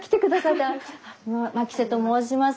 牧瀬と申します。